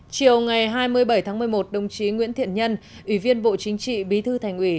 chiều ngày hai mươi bảy tháng một mươi một đồng chí nguyễn thiện nhân ủy viên bộ chính trị bí thư thành ủy